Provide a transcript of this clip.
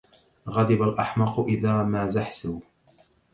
غضب الأحمق إذ مازحته